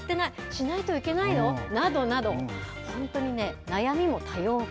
しないといけないの？などなど、本当にね、悩みも多様化。